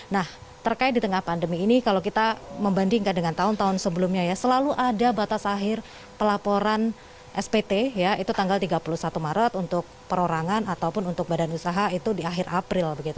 nah terkait di tengah pandemi ini kalau kita membandingkan dengan tahun tahun sebelumnya ya selalu ada batas akhir pelaporan spt ya itu tanggal tiga puluh satu maret untuk perorangan ataupun untuk badan usaha itu di akhir april